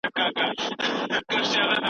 آیا جاپان هم د جرمني په څېر هیواد دی؟